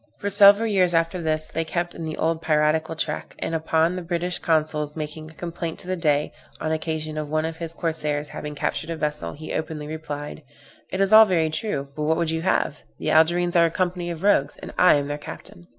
For several years after this they kept in the old piratical track; and upon the British consuls making a complaint to the Dey, on occasion of one of his corsairs having captured a vessel, he openly replied, "It is all very true, but what would you have? the Algerines are a company of rogues, and I am their captain."